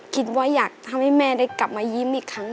คิดว่าอยากทำให้แม่ได้กลับมายิ้มอีกครั้ง